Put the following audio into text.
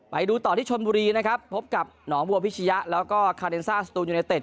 ไปดูต่อที่ชนบุรีนะครับพบกับหนองบัวพิชยะแล้วก็คาเดนซ่าสตูนยูเนเต็